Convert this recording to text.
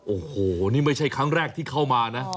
โอ้โหนี่ไม่ใช่ครั้งแรกที่เข้ามานะ